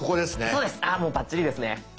そうですあもうバッチリですね。